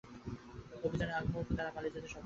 অভিযানের আগমুহূর্তে তাঁরা পালিয়ে যেতে সক্ষম হন।